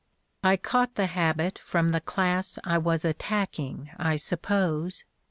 "I caught the habit from the class I was attacking, I suppose.